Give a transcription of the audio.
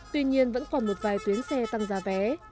tuy nhiên vẫn còn một vài tuyến xe tăng giá vé